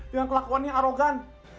dengan kelakuannya arogan